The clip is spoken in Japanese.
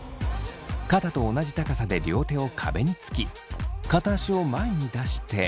肩と同じ高さで両手を壁につき片足を前に出して。